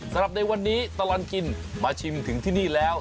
สำหรับในวันนี้ตลอดกินมาชิมถึงที่นี่แล้ว